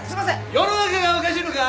世の中がおかしいのか！？